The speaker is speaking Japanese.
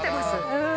うん。